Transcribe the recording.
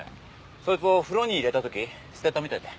そいつを風呂に入れた時捨てたみたいで。